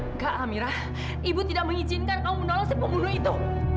enggak amira ibu tidak mengizinkan kamu menolong si pembunuh itu